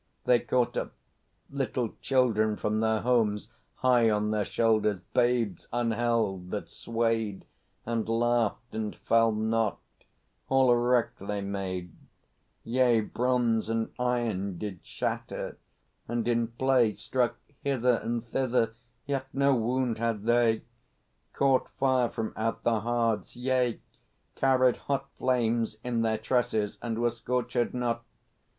They caught up little children from their homes, High on their shoulders, babes unheld, that swayed And laughed and fell not; all a wreck they made; Yea, bronze and iron did shatter, and in play Struck hither and thither, yet no wound had they; Caught fire from out the hearths, yea, carried hot Flames in their tresses and were scorchèd not!